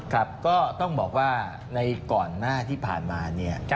ครับก็ต้องบอกว่าในก่อนหน้าที่ผ่านมาเนี่ย